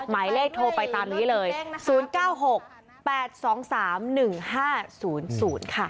หมายเลขโทรไปตามนี้เลย๐๙๖๘๒๓๑๕๐๐ค่ะ